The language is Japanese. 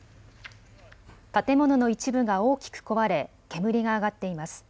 建物の一部が大きく壊れ煙が上がっています。